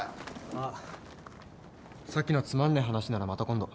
あっさっきのつまんねえ話ならまた今度。